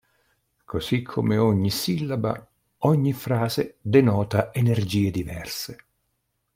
Così come ogni sillaba, ogni frase denota energie diverse.